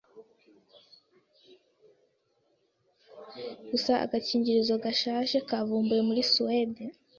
Gusa agakingirizo gashaje kavumbuwe muri Suède